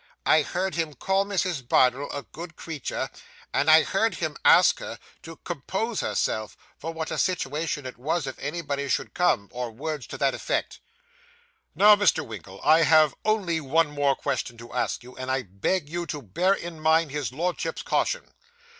'I heard him call Mrs. Bardell a good creature, and I heard him ask her to compose herself, for what a situation it was, if anybody should come, or words to that effect.' 'Now, Mr. Winkle, I have only one more question to ask you, and I beg you to bear in mind his Lordship's caution.